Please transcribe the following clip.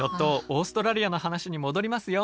オーストラリアの話に戻りますよ。